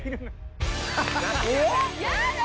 やだ！